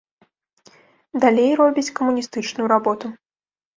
Далей робіць камуністычную работу.